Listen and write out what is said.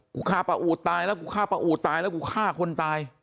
กูฆ่าป้าอูดตายแล้วกูฆ่าป้าอูดตายแล้วกูฆ่าคนตาย